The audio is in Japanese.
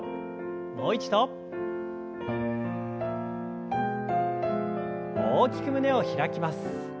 もう一度。大きく胸を開きます。